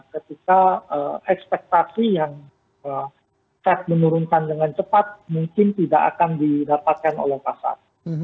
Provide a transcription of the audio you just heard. ketika ekspektasi yang fed menurunkan dengan cepat mungkin tidak akan didapatkan oleh pasar